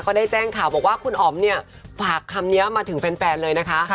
ได้แจ้งข่าวบอกว่าคุณอ๋อมเนี่ยฝากคำนี้มาถึงแฟนเลยนะคะ